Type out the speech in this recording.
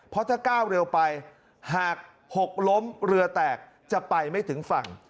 เพราะถ้าก้าวเร็วไปหากหกล้มเรือแตกจะไปไม่ถึงฝั่ง